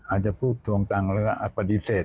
อาจจะพูดทวงตังค์แล้วก็ปฏิเสธ